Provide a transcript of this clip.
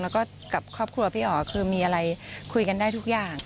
แล้วก็กับครอบครัวพี่อ๋อคือมีอะไรคุยกันได้ทุกอย่าง